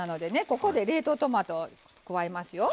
ここで冷凍トマトを加えますよ。